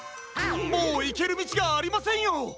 もういけるみちがありませんよ！